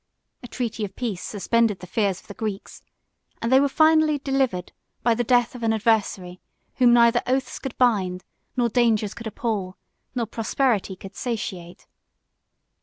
A treaty of peace 5 suspended the fears of the Greeks; and they were finally delivered by the death of an adversary, whom neither oaths could bind, nor dangers could appal, nor prosperity could satiate.